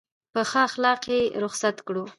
په ښه اخلاص یې رخصت کړو.